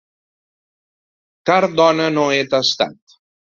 Car dona no he tastat.